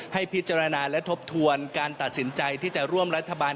ให้พิจารณาและทบทวนการตัดสินใจที่จะร่วมรัฐบาล